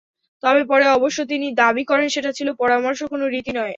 তবে পরে অবশ্য তিনি দাবি করেন, সেটা ছিল পরামর্শ, কোনো নীতি নয়।